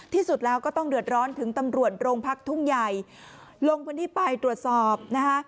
ที่สุดแล้วก็ต้องเดือดร้อนถึงตำรวจโรงพักทุ่งใหญ่ลงพื้นที่ไปตรวจสอบนะคะ